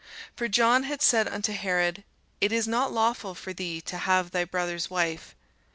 For John had said unto Herod, It is not lawful for thee to have thy brother's wife.